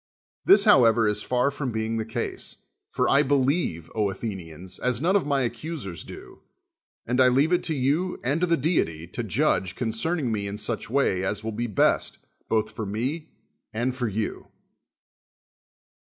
This, how ever, is far from being the ease : for I believe, Athenians, as none of my accusers do, and I leave it to you and to the deity to judge concern ing me in such way as will be best both for me and for you.